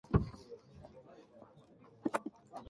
略奪し、凌辱したのちに留置される。